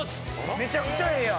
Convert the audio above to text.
めちゃくちゃええやん。